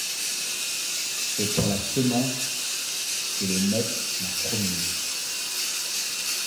C’est pour la semence que le maître m’a promise.